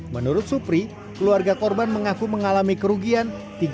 menurut supri keluarga korban mengaku mengalami kerugian